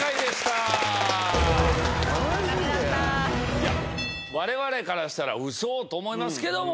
いや我々からしたらウソ！？と思いますけども。